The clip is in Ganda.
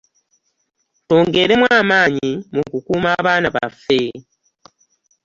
Twongeremu amaanyi mu kukuuma abaana baffe.